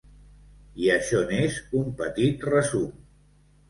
I això n’és un petit resum.